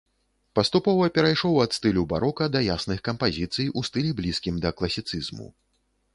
Паступова перайшоў ад стылю барока да ясных кампазіцый у стылі блізкім да класіцызму.